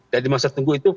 dari masa tunggu itu